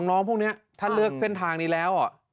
น้องพวกนี้ถ้าเลือกเส้นทางนี้แล้ว